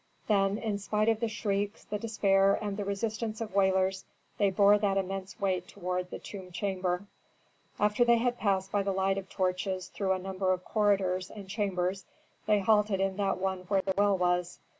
Then, in spite of the shrieks, the despair, and the resistance of wailers, they bore that immense weight toward the tomb chamber. After they had passed by the light of torches through a number of corridors and chambers they halted in that one where the well was.